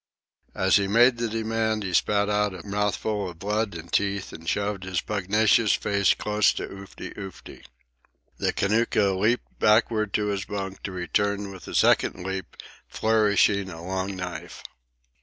As he made the demand he spat out a mouthful of blood and teeth and shoved his pugnacious face close to Oofty Oofty. The Kanaka leaped backward to his bunk, to return with a second leap, flourishing a long knife.